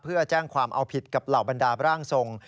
เพื่อแจ้งความเอาผิดกับเหล่าบรรดาร่างทรง